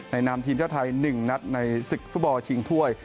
นามทีมชาติไทย๑นัดในศึกฟุตบอลชิงถ้วย